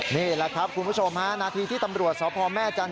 นี่แหละครับคุณผู้ชมฮะนาทีที่ตำรวจสพแม่จันท